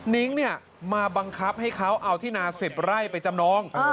นิ้งมาบังคับให้เขาเอาที่นา๑๐ไร่ไปจำนอง